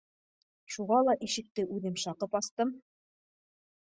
Шуға ла ишекте үҙем шаҡып астым: